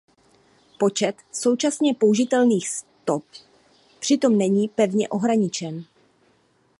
Počet současně použitelných stop přitom není pevně ohraničen.